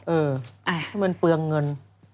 เออเหมือนเปลืองเงิน